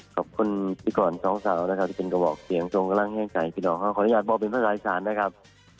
ขอขออนุญาตบอกเป็นภาษาอีสานธ์นะครับ